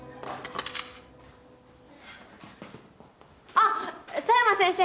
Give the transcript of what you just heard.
あっ佐山先生！